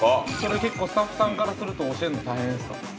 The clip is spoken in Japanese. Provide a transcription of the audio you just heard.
◆結構、スタッフさんからすると教えるの大変ですか？